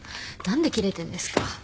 何でキレてんですか。